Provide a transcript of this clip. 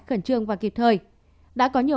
khẩn trương và kịp thời đã có nhiều